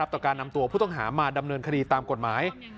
ต่อการนำตัวผู้ต้องหามาดำเนินคดีตามกฎหมาย